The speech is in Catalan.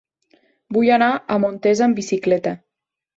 Vull anar a Montesa amb bicicleta.